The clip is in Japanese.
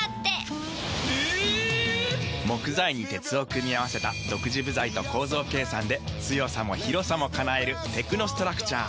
木材に鉄を組み合わせた独自部材と構造計算で強さも広さも叶えるテクノストラクチャー。